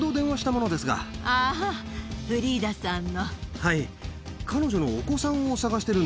はい。